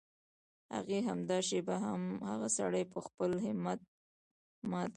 هغې همدا شېبه هغه سړی په خپل همت مات کړ.